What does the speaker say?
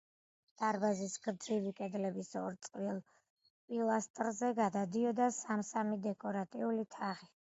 დარბაზის გრძივი კედლების ორ წყვილ პილასტრზე გადადიოდა სამ-სამი დეკორატიული თაღი.